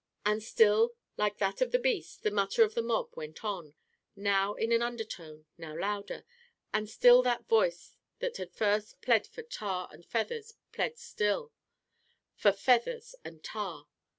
And still, like that of beasts, the mutter of the mob went on, now in an undertone, now louder, and still that voice that first had plead for tar and feathers plead still for feathers and tar.